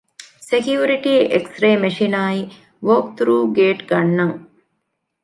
ސެކިޔުރިޓީ އެކްސްރޭ މެޝިނާއި ވޯކްތުރޫ ގޭޓް ގަންނަން